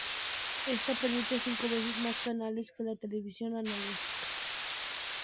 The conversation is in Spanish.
Esta permite cinco veces más canales que la televisión analógica.